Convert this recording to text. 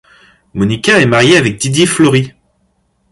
Monica est mariée avec Didier Flory.